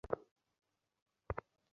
তবে আমাকে কৈফিয়ত দিতে হবে না কারো কাছে।